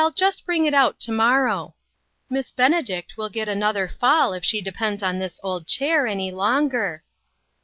Well, just bring it out to morrow. Miss Benedict will get another fall if she depends on this old chair any longer.